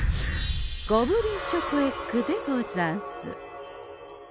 ゴブリンチョコエッグでござんす。